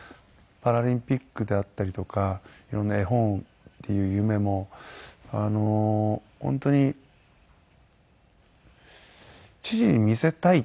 パラリンピックであったりとか色んな絵本っていう夢も本当に父に見せたい。